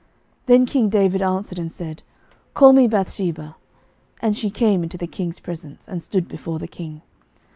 11:001:028 Then king David answered and said, Call me Bathsheba. And she came into the king's presence, and stood before the king.